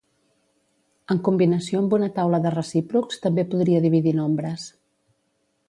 En combinació amb una taula de recíprocs, també podria dividir nombres.